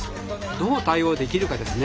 どう対応できるかですね。